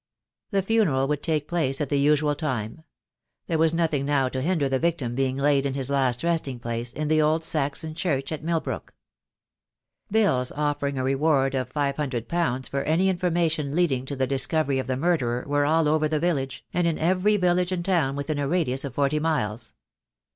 The funeral would take place at the usual time; there was nothing now to hinder the victim being laid in his last resting place in the old Saxon church at Milbrook. Bills offering a reward of ^500 for any information leading to the discovery of the murderer were all over the village, and in every village and town within a radius of forty miles.